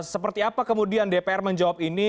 seperti apa kemudian dpr menjawab ini